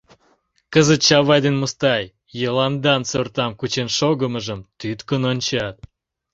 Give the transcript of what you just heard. Кызыт Чавай ден Мустай Йыландан сортам кучен шогымыжым тӱткын ончат.